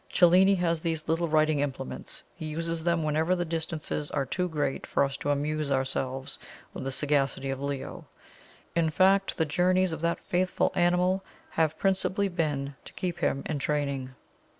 Cellini has these little writing implements; he uses them whenever the distances are too great for us to amuse ourselves with the sagacity of Leo in fact the journeys of that faithful animal have principally been to keep him in training."